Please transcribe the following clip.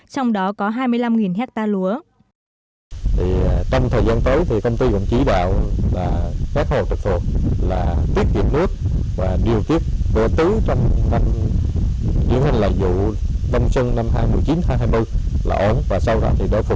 trong đó có hai mươi sáu hectare cây trồng trong đó có hai mươi năm hectare lúa